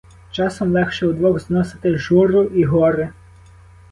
Часом легше удвох зносити журу і горе.